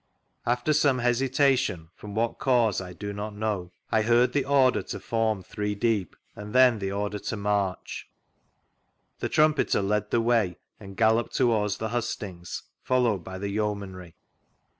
After some hesitation, from what cause I do not know, I heard the order to form three deep, and then the order to march. The Trumpeter Bed the way and gallopled towards the hustings, fol lowed by the yeomanry.